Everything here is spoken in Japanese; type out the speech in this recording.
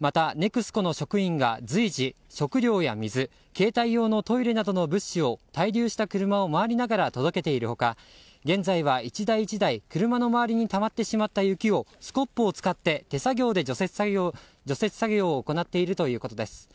また、ＮＥＸＣＯの職員が随時、食料や水携帯用のトイレなどの物資を滞留した車を回りながら届けている他現在は１台１台車の周りにたまってしまった雪をスコップを使って手作業で除雪作業を行っているということです。